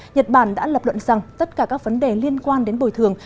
nhật bản đã lập luận rằng tất cả các vấn đề liên quan đến bồi thường